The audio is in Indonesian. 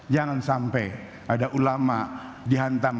jangan sampai ada ulama dihantam